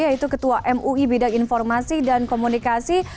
yaitu ketua mui bidang informasi dan komunikasi